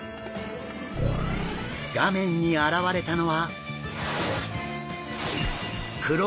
画面に現れたのは。